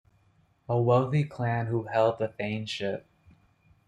A wealthy clan who held the Thainship.